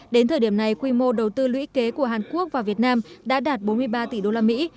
đến thời điểm này quy mô đầu tư lũy kế của hàn quốc và việt nam đã đạt bốn mươi ba tỷ đô la mỹ